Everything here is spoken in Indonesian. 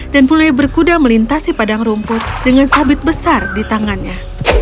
dan mulai berkuda melintasi padang rumput dengan sabit besar di tangannya